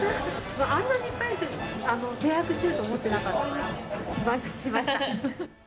あんなにいっぱい見学できると思ってなかったから、満喫しました。